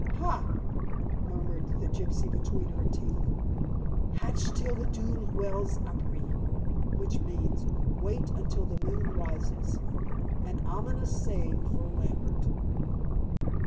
"Hai!" muttered the gypsy between her teeth. "Hatch till the dood wells apré," which means: "Wait until the moon rises!" an ominous saying for Lambert.